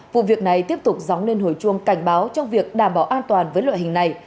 vụ việc này tiếp tục dóng lên hồi chuông cảnh báo trong việc đảm bảo an toàn với loại hình này